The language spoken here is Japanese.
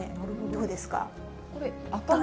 どうですか。